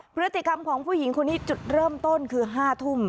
พฤติกรรมของผู้หญิงคนนี้จุดเริ่มต้นคือ๕ทุ่ม